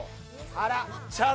あら。